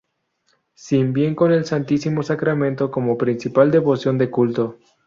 Sin bien con el Santísimo Sacramento como principal devoción de culto.